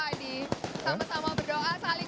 sama sama berdoa saling